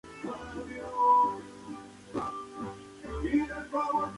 Contribuyó en gran manera al desarrollo de la orfebrería catalana.